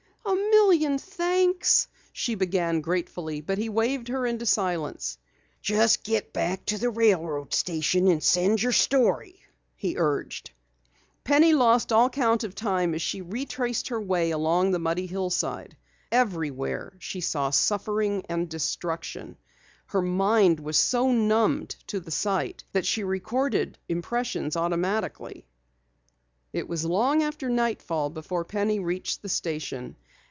"A million thanks " she began gratefully, but he waved her into silence. "Just get back to the railroad station and send your story," he urged. Penny lost all count of time as she retraced her way along the muddy hillside. Everywhere she saw suffering and destruction. Her mind was so numbed to the sight that she recorded impressions automatically. It was long after nightfall before Penny reached the station.